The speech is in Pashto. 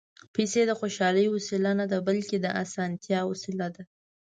پېسې د خوشالۍ وسیله نه ده، بلکې د اسانتیا وسیله ده.